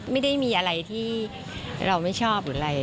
ไม่ได้มีอะไรที่เราไม่ชอบหรืออะไร